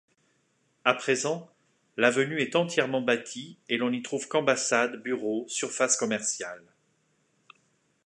À présent, l'avenue est entièrement bâtie et l'on n'y trouve qu'ambassades, bureaux, surfaces commerciales.